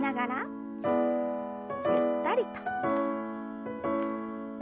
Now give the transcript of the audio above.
ゆったりと。